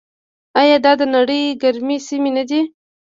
آیا دا د نړۍ ګرمې سیمې نه دي؟